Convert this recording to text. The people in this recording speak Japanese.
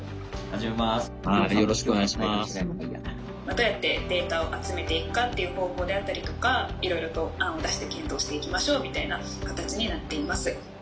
「どうやってデータを集めていくかっていう方法であったりとかいろいろと案を出して検討していきましょうみたいな形になっています」。